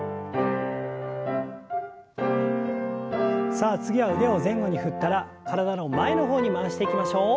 さあ次は腕を前後に振ったら体の前の方に回していきましょう。